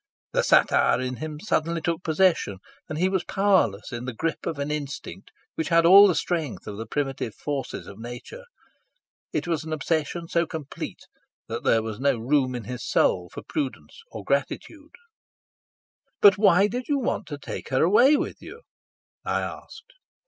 The satyr in him suddenly took possession, and he was powerless in the grip of an instinct which had all the strength of the primitive forces of nature. It was an obsession so complete that there was no room in his soul for prudence or gratitude. "But why did you want to take her away with you?" I asked.